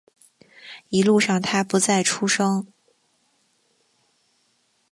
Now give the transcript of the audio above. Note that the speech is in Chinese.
一路上他不再出声